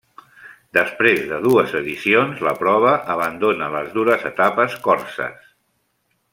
Després de dues edicions la prova abandona les dures etapes corses.